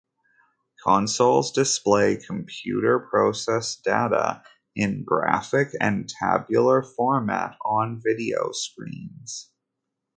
Consoles display computer-processed data in graphic and tabular format on video screens.